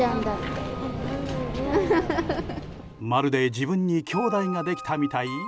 まるで自分にきょうだいができたみたい？